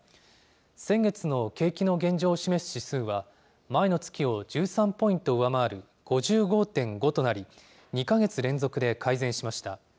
先月の景気の現状を示す指数は、前の月を１３ポイント上回る５５．５となり、２か月連続で改善しました。